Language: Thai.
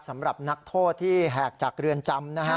สำหรับนักโทษที่แหกจากเรือนจำนะฮะ